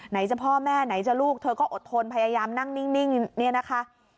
จะพ่อแม่ไหนจะลูกเธอก็อดทนพยายามนั่งนิ่งเนี่ยนะคะ